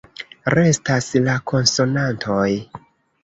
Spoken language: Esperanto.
Restas la konsonantoj.